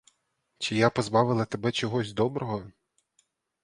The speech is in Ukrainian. Чи я позбавила тебе чогось доброго?